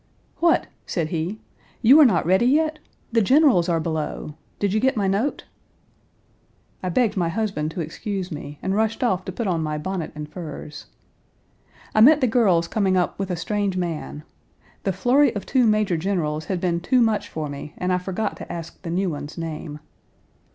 "What!" said he, "you are not ready yet? The generals are below. Did you get my note?" I begged my husband to excuse me and rushed off to put on my bonnet and furs. I met the girls coming up with a strange man. The flurry of two major generals had been too much for me and I forgot to ask the new one's name.